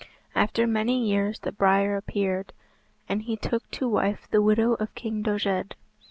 After many years the briar appeared, and he took to wife the widow of King Doged.